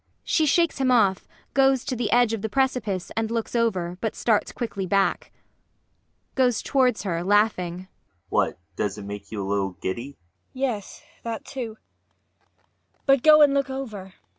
[She shakes him off, goes to the edge of the precipice and looks over, but starts quickly back. ULFHEIM. [Goes towards her, laughing.] What? Does it make you a little giddy? MAIA. [Faintly.] Yes, that too. But go and look over.